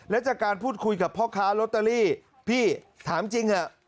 และจากการพูดคุยกับพ่อค้าลอตเตอรี่พี่ถามจริงเถอะ